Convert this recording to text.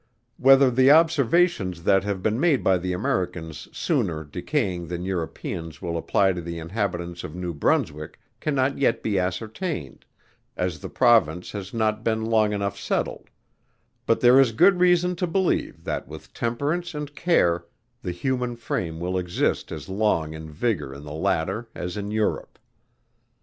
Whether the observations that have been made of the Americans sooner decaying than Europeans will apply to the inhabitants of New Brunswick cannot yet be ascertained; as the Province has not been long enough settled; but there is good reason to believe that with temperance and care the human frame will exist as long in vigor in the latter as in Europe.